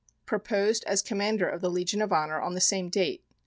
Proposed as Commander of the Legion of Honor on the same date.